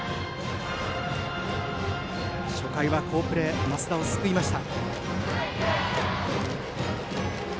初回は好プレーで升田を救いました。